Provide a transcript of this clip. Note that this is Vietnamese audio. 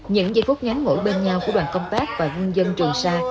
những giây phút nhắn ngủ bên nhau của đoàn công tác và quân dân trường sa